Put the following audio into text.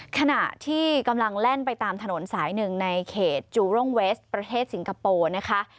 ขณะที่กำลังแล่นไปตามถนนสายหนึ่งในเขตจูร่งเวสประเทศสิงคโปร์นะคะ